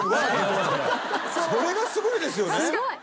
それがすごいですよね。